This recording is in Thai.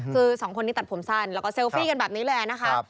คือสองคนนี้ตัดผมสั้นแล้วก็เซลฟี่กันแบบนี้เลยนะคะ